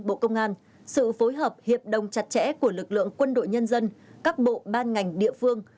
bộ công an sự phối hợp hiệp đồng chặt chẽ của lực lượng quân đội nhân dân các bộ ban ngành địa phương